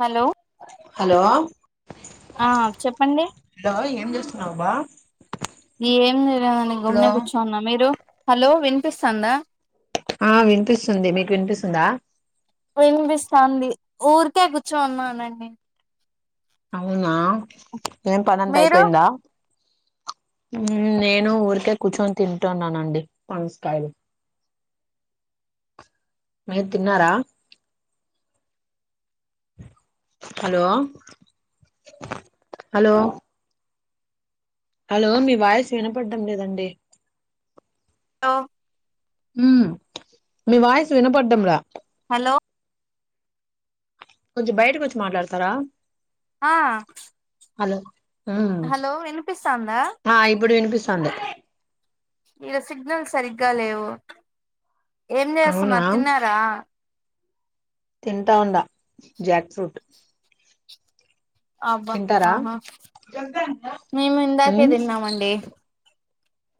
Hello hello ఆ చెప్పండి ఏం చేస్తున్నావు బా ఏమి లేదండి హలో గమ్మునే కూర్చోన్న మీరు హలో వినిపిస్తాందా ఆ వినిపిస్తుంది మీకు వినిపిస్తుందా. వినిపిస్తాంది ఊరికే కూర్చోని ఉన్నానండి. అవునా ఏం పనంత మీరు అయిపోయిందా. నేను ఊరికే కూర్చొని తింటున్నానండి పనస కాయలు మీరు తిన్నారా హలో హలో హలో మీ వాయిస్ వినపడ్డం లేదండి లో ఉ మీ వాయిస్ వినపడ్డంలే హలో కొంచెం బయటకొచ్చి మాట్లాడతారా ఆ హలో ఉమ్ హలో వినిపిస్తాందా ఆ ఇప్పుడు వినిపిస్ స్తాంది ఈడ సిగ్నల్ సరిగ్గా లేవు ఏం అవునా చేస్తున్నారు తిన్నారా తింటా ఉండా జాక్ ఫ్రూట్ అబ్బా తింటారా ఆహా మేము ఇందాకే మ్ తిన్నామండి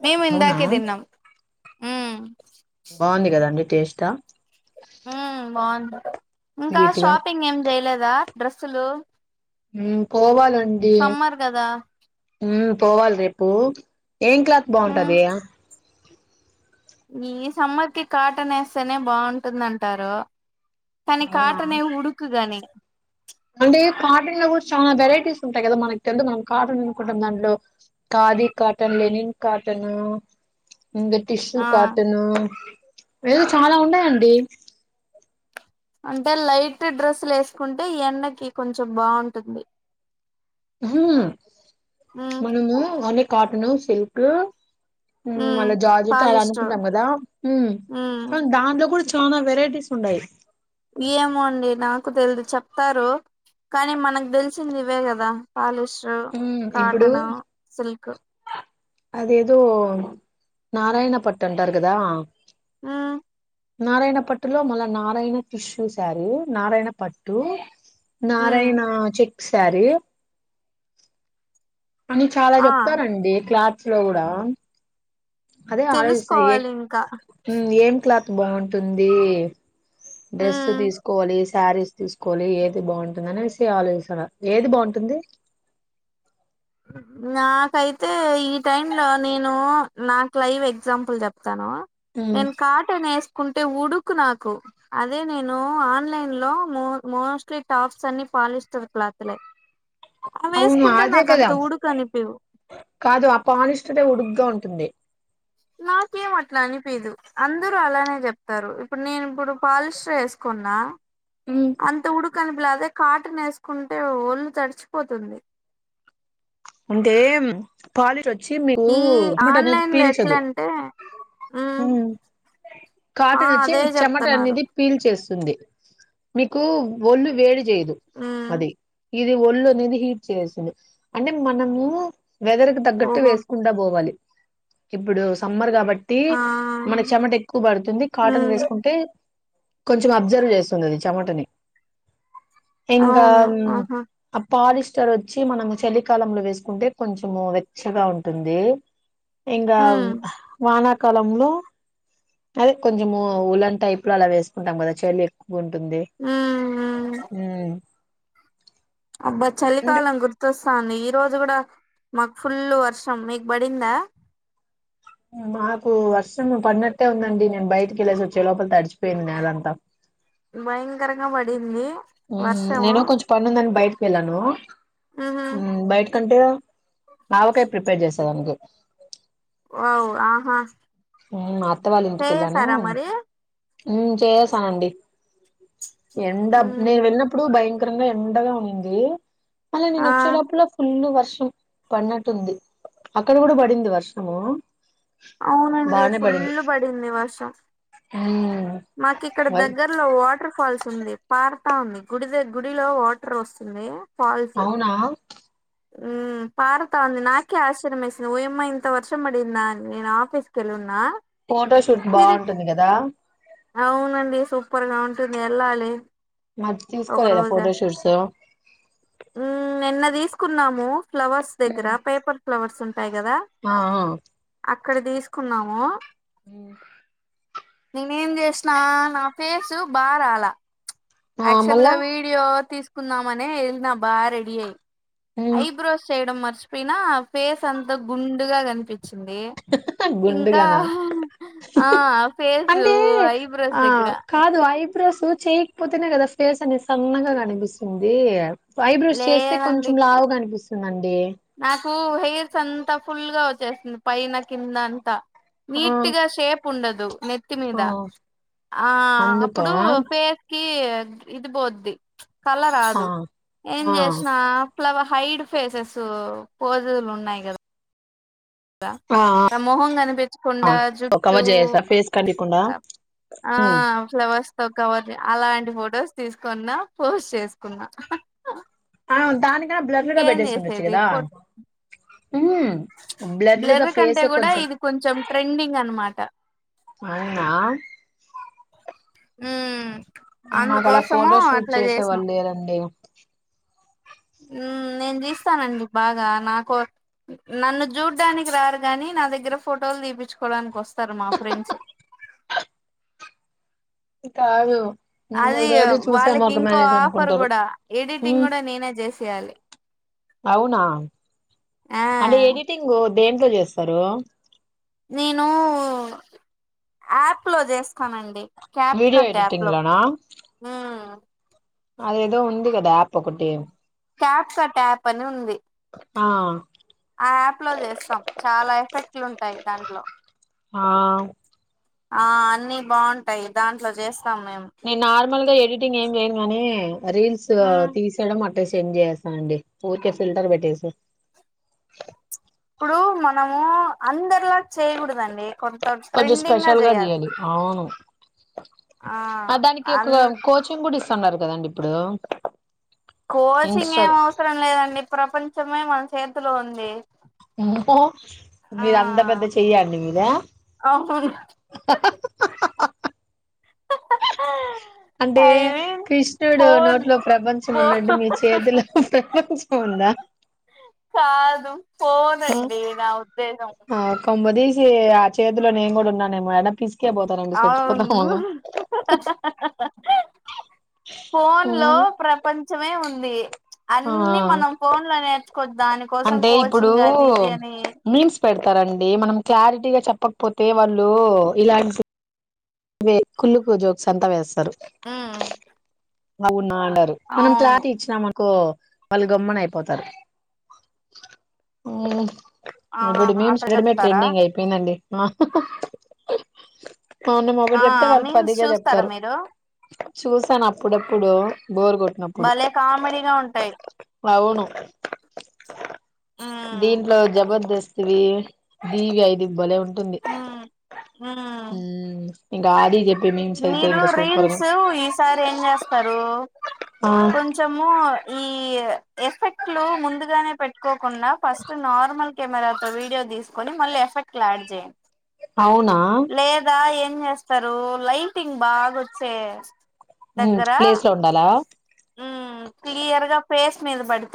మేము అవునా ఇందాకే తిన్నాం ఉమ్ బాగుంది కదండి టేస్టా ఉమ్ బాగుంది ఇంకా స్వీట్ గా షాపింగ్ ఏం చేయలేద్ ఆ డ్రెస్సులు ఉమ్ పోవాలె అండి సమ్మర్ కదా ఉమ్ పోవాలె రేపూ ఏం క్లాత్ ఉమ్ బాగుంటది ఈ సమ్మర్ కి కాటన్ వేస్తేనే బాగుంటుందంటారు తని అవునా కాటనే ఉడుకుగానే అంటే కాటన్ లో కూడా చాలా వెరైటీస్ ఉంటాయి కదా మనకి తెలిదు మనం కాటన్ అనుకుంటాం దాంట్లో ఖాదీ కాటన్ లెనిన్ కాటను ఇంక టిష్యూ ఆ కాటనూ లేదు చాలా ఉన్నాయండి అంటే లైట్ డ్రెస్సులేసుకుంటే ఎండకి కొంచెం బాగుంటుంది ఉహూ ఉమ్ మనము అని కాటను సిల్క్ ఉమ్ మళ్ళా జార్జట్ అలా అనుకుంటాం కదా ఉమ్ కానీ దాంట్లో కూడా చ్ చానా వెరైటీస్ ఉండాయి ఏమో అండి నాకు తెలిదు చెప్తారు కానీ మనకు తెలిసింది ఇవే కదా పాలిష్ ర్ మ్మ్ ఇప్పుడు కాటను సిల్క్ అదేదో నారాయణ పట్టంటారుకదా ఉమ్ నారాయణ పట్టులో మల్ల నారాయణ టిష్యూ శారీ నారాయణ పట్టు ఉమ్ నారాయణ చె సారీ అని చాలా ఆ చెప్తారంండి క్లా లో కూడా అదే ఆలోచిస్తున్న ఏం తెలుసుకోవాలి ఇంకా ఏం క్లాత్త బాగుంటుంది డ్రెస్ ఉమ్ తీసుకోవాలి శారీస్ తీసుకోవాలి ఏది బాగుంటుంద అనేసి ఆలోస్తూండ ఏది బాగుంటుంది నాకైతే ఈ టైమ్ లో నేను నాకు లైవ్ ఎగ్జాంపుల్ చెప్పు ాను ఉమ్, నేను కాటన్ వేసుకుంటే ఊడుకు నాకు అదే నేను ఆన్లైన్ లోో మోస్ట్లీ టాప్స్ అన్ని పాలిస్టర్ క్లాత్లే అ అవును వేసుకుంటే అదే నాక అంత కదా ఉడుకు అనిపివు కాదు ఆ పాలిస్టర్ ఉడుకుగా ంది నాకేం అట్లా అనిపీదు అందరూ అలానే చెప్తారు ఇప్పుడు నేను ఇప్పుడు పాలిష్ర్ వేసుకున్నా ఉమ్, అంత ఉడుకు [unintelligible] కాటన్ వేసుకుంటే ఒళ్ళు తడిచిపోతుంది ముందే పాలిర్ వచ్ చ్చిమీకు ఈ చమటా అనేది ఆన్లైన్ లో పీల్చదు ఎట్లంటే ఉమ్ ఆ కాటన్ వచ్చి అదే మీకు చెమటా చెప్తున్నారు అనేది పీల్చేస్తు మీకు ఒళ్ళు వేడి చేదు ఉమ్ అది ఇది ఒళ్ళు అనేది హీట్ చేయేసింది అంటే మనము వెదరికి తగ్గట్టు ఓహో వేసుకుంటా పోవాలి ఇప్పుడు సమ్మర్గా కా బట్టి ఆ మన చెమట ఎక్కువ పడుతుంది కాటన్ ఉమ్ వేసుకుంటే కొంచెం అబ్జర్వ్ చేస్తుందిది చెమటని ఇంగా అవును ఆహా పాలీష్ ర్ వచ్చి మనం చలి కాలంలో వేసుకుంటే కొంచెం వెచ్చగా ఉంటుంది ఇంగ ఉమ్ వాన కాలంలో అదే కొంచెము ఉలన్ టైప్ లో అలా వేసుకుంటాం కదా చెల్లి ఎక్కు బంటుంది ఉమ్ ఉమ్ అబ్బా చాలీ కాలం అ గుర్తొస్త్ వస్తాంది ఈ రోజు కూడా మాకు ఫుల్ వర్షం మీకు పడిందా మాకు వర్షం పడినట్టే ఉందండి నేను బయటికి వెళ్ళసి వచ్చే లోపల తడిచపోయింది నేలంతా భయకరంగా పడిందీ నేను కొంచెం పని ఉందని బయట వెళ్ళను ఉహు మ్మ్ బయట కంటే ఆవ కాయ ప్రిపేర్ చేస్ అంతే ఓ ఆహా మాత్తవాళ్ళ స్టే ఇంటికెళ్ళాను చేసారా మరి మ్మ్ చేసానండి ఎండా నేను ఉమ్ వెళ్ళినప్పుడు భయం యంకరంగా ఎండగా ఉంది అలా నేను ఆ వచ్చే లోప్ప లా ఫుల్ వ వర్షం పడినట్టుంది అక్కడ కూడా పడిందా వర్షము అవునండి బానే పడింది ఫుల్ పడింది వర్షం ఉమ్ మాకి ఇక్కడ వ- దగ్గరలో వాటర్ ఫాల్స్ వస్తుంది పార్తా ఉంది గుడి ద గుడిలో వాటర్ వస్తుంది ఫాల్స్ అవునా మ్మ్ పార్థ ఉంది నాకే ఆశ్చర్యం వేసింది ఓయ్యమ్మ ఇంత వర్షం బడిందా అని నేను ఆఫీస్ కి ఎలూన్ ఫోటోషూట్ బాగుంటుంది కదా అవునండి సూపర్ గా ఉంటుంది ఏళ్ళాలి మరి తీసుకోలేదా ఫోటోషూట్స్ కున్నాము ఫ్లవర్స్ దగ్గరా పేపర్ ఫ్లవర్స్ ఉన్ తాయి కదా ఆ ఆ అక్కడ తీస్కునము నేనేం చేసిన నా ఫేస్ బా రాలే ఆ యాక్చువల్ గా మళ్ళా వీడియో తీస్ తీసుకున్నామని వెళ్ళిన బాగ్ రెడీ అయ్యి ఐబ్రోస్ చేయడం మార్చ్ చి పోయిన ఫేస్ అంత గుండుగా కనిపి చ్చింది ఇంకా గుండుగానా ఆ ఫేస్ అంటే ఐబ్రోస్ దగ్గర బ్రోస్ చేయకపోతేనే కదా ఫేస్ అనేది సన్నగా కనిపిస్తుంది ఐబ్రోస్ చేస్తే లేదండి కొంచెం లావు కనిపిస్ నన్ ఏ హా హెయిర్స్ అంతా ఫుల్గా వచ్చేస్తుంది పైన కింద అంతా ఆ నీటిగా షేప్ ఉండదు నెత్తి ఆ మీద ఆ అందుకా అప్పుడు ఫేస్ కి ఇది బోద్ది కల ఆ రాదు ఏం ఆ చేసిన ఫ్లవ హైడ్ ఫేసెస్ సో పోజులు ఉన్నాయి కదా ఆ మొహం ఆ కనిపించకుండా జుట్టు కవర్ చేసేసా ఫేస్ కనికుండా ఆ ఫ్లవర్స్ వర్ అలాంటి ఫొటోస్ తీసుకున్నా పోస్ట్ చేసుకున్నా అవును దానికన్నా బ్లర్ గా ఇంకేం బెడ్డేస్ ఉండొచ్చు చేసేది కదా ఫోట్ బ్లర్ కంటే కూడా ఇది కొంచెం ట్రెండింగ్ అనమాట అవునా ఉ మాకు అలా ఫోటోషూట్ చేసే వాళ్ళు లేరండి. ఉ నేన్ తీస్ స్తానండి బాగా నాకు నన్ను చూడ్డానికి రారుగాని నా దగ్గర ఫోటోలు తీపించుకోవడానికి వస్తారు మా ఫ్రెండ్స్. కాదు అది మిమ్మల్ని రోజు చూసే వాళ్ళకి ఇంకో మొఖమేనేసి ఆఫర్ అనుకుంటారు కూడా ఎడిటింగ్ ఉమ్ కూడా నేనే చేసేయాలి అవునా ఆ అంటే ఎడిటింగ్ దేంట్లో చేస్తరు నేను యాప్ లో చేసుకోనండి cap video cut app editing లో అది ఏదో ఉంది కదా ఆప్ ఒకటీ క్యాప్ కట్ యాప్ అని ఉంది ఆ ఆ యాప్ లో చేస్తాం చాలా ఎఫెక్టివ్ ఉంటది దాంట్లో ఆ ఆ అన్ని బాగుంటాయి దాంట్లో చేస్ నేను నార్మల్గా ఎడిట్ టింగ్ ఏమి చేయను గానీ రీల్స్ ఉమ్ తీసేయడం అట్ సెండ్ చేస్తానండి ఊరికే ఫిల్టర్ పెట్టేసి ఇప్పుడు మనము అందర్ లా చేయకూడదండి కొంత కొంచెం ట్రెండింగ్ గా స్పెషల్ చేయాలి. అవును ఆ దానికి ఒక అన్ కోచింగ్ కూడా ఇస్ స్తున్నారు కదండి ఇప్పుడు కోచింగ్ ఇన్స్టా ఏం అవసరం లేదండి ప్రపంచం ప్రపంచమే మన చేతిలో ఉంది ఆ మీరు అంతా పెద్ద చెయ్యండి మీదే అవును హా హా హాహా హహ అంటే కృష్ణుడు ఫోన్ నోట్లో ప్రపంచం ఉన్నట్టు మీ ఫోన్ చేతిలో ప్రపంచం ఉందా హలో కొంపదీసి ఆ చేతిలో నేను కూడా ఉన్నానేమో అపి అవును హహహహా ఫోన్ లో ప్రపంచమే ఉంది ధీ ఆ అన్ని మనం ఫోన్ లోనే దాని కోసం అంటే కోచింగ్ అది ఇది అని అండి మనం క్లారిటీగా చెప్పకపోతే వాళ్ళు ఇలాంటి వే కుళ్లుకు జోక్స్ అంతా వేస్తారు ఊ అవునా ారు మనం క్లారిటీ ఇచ్చినామనకో వాళ్ళు గమ్మన అయిపోతారు ఊ ఆహా ఇప్పుడు అట్ట మీమ్స్ చూడటమే చెప్తారా ట్రెండింగ్ అయిపోయిందండి ఆ హాహాహా మనం ఒకటిగా ఆ చెప్తే వాళ్ళు మీమ్స్ పదిగా చూస్తారా చెప్తారు మీరు చూసాను అప్పుడప్పుడు బోరు కొట్టినప్పుడు భలే కామెడీగా ఉంటాయి అవును ఉమ్ దీంట్లో జబర్దస్త్ దివియి దబలే ఉ ఉమ్ ఉమ్ ఉమ్ గాడి చెప్ మీరు రీల్స్ ఈసారి ఏం చేస్తారు ఆ కొంచము ఈ ఎఫెక్ట్లు ముందుగానే పెట్టుకో కుండ ఫస్ట్ నార్మల్ కెమెరాతో వీడియో తీసుకొని మళ్ళీ ఎఫెక్ట్ యాడ్ చేయండి అవునా లేదా ఎ ఏం చేస్తారు లైటింగ్ బాగోచ్చే దగ్గర ప్లేస్ లో ఉండాలా ఉమ్ క్లియర్గా ఫేస్ మీద పడి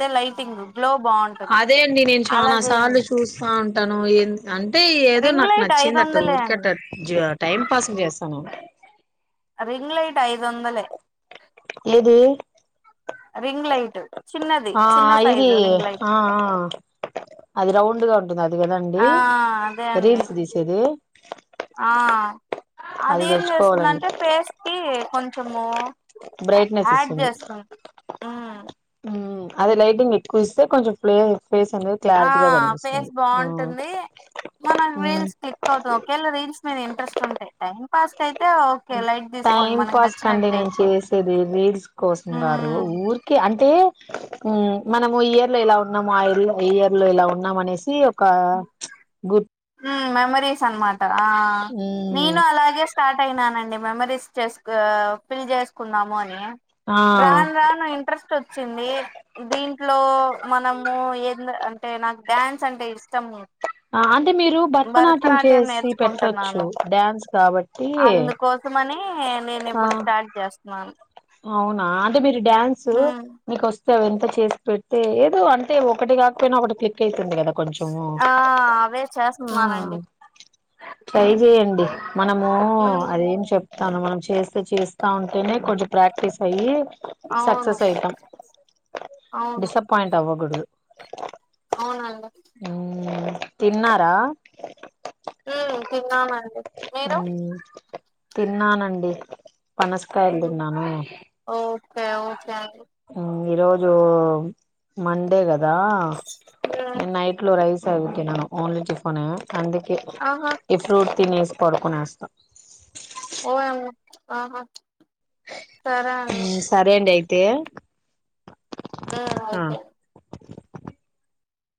అదే అండి నేను అలా చనా సార్లు చేయండి చూస్తా ఉంటాను ఏ అంటే ఏదో రింగ్ నాకు లైట్ ఐదు నచ్చింది అ ట వందలే ఊరికట్ట అండి టైం పాస్ చేస్తాను రింగ్ లైట్ ఐదు వందలే ఎది రింగ్ లైట్ చిన్నది ఆ చిన్న ఇది సైజు రింగ్ లైట్ ఆ అది రౌండ్గా ఉంటుంది అది కదండి ఆ అదే అండి రీల్స్ తీసేది ఎ ఆ అది ఏం చేస్తుందంటే పేస్ కి కొంచము బ్రైట్నెస్ ఇస్తుంది ఉమ్ అది లైటింగ్ ఎక్కు ఇస్తే కొంచెం ఫ్లే ఆ ఫేస్ బాగుంటుంది మనం మ్ రీల్స్ క్లిక్ అవుతాంది ఒకేళ రీల్స్ మీద ఇంట్రెస్ట్ ఉంటే టైం పాస్ట్ అయితే ఓకే లైట్ తీసుకోండి టైం మనకి పాస్ కండి నచ్చినట్టు నేను తీసుకో చేసేది రీల్స్ కోసం కాదు ఊరికే అంటే మనము ఇయర్ లో ఇలా ఉన్నాము ఆ ఇ ఇయర్ లో ఇలా ఉన్నామ అనేసి ఒక గుర్త్ మెమరీస్ అన్మాట ఆ నేను అలాగే స్టార్ట్ అయినానండి మెమరీస్ చేసు ఫిల్ చేసుకున్నాము అని ఆ రాను రాను ఇంట్రెస్ట్ వచ్చింది దీంట్లో మనము అంటే నాకు డ్యాన్స్ అంటే ఇష్టము అంటే మీరు భరతనాట్యం చేసి పెట్టచ్చు నేర్చుకుంటున్నాను డ్యాన్స్ కాబట్టి అందుకోసమని ఆ మ అవునా అంటే మీరు డ్యాన్సు ఉమ్, మీకు వ సవ ఎంత చేసి పెడితే ఏదో అంతే ఒకటి కాకపోయినా ఒకటి క్లిక్ అయిత ఆ అవే ఆ చేస్తున్నానండి ట్రై చేయండి మనము ఉమ్, అదేం చెప్తాను మనం చేస్తే చేస్ ఆ ఉంటేనే కొంచెం ప్రాక్ సక్సెస్ అయి అవును సక్సెస్ అయితాం డిసప్పాయింట్ అవ్వకూడదు అవునంద మ్మ్, తిన్నారా ఉమ్ తిన్నానండి మీరు మ్మ్, తిన్నానండి పనస్కాయ్ల్ తిన్నాను ఓయ్ ఎమో చెయాలి ఇ రొజూ మండే గదా ఉమ్, రా నైట్ లొ రైస్ సార్ ఓకేనా న ఆన్లైన్ టిఫనే అందుకే ఆహా ఇ ఫ్రూట్ తినేసి పడుకునేస్తా ఓయ్ ఆహ సరె అను ఏ అ అయితేే